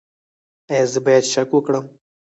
ایا زه باید شک وکړم؟